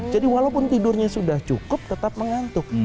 jadi walaupun tidurnya sudah cukup tetap mengantuk